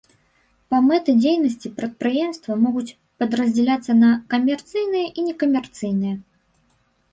Па мэты дзейнасці прадпрыемства могуць падраздзяляцца на камерцыйныя і некамерцыйныя.